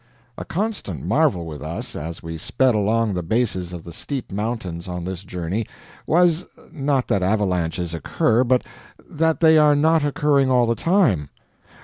A constant marvel with us, as we sped along the bases of the steep mountains on this journey, was, not that avalanches occur, but that they are not occurring all the time.